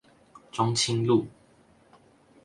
中清路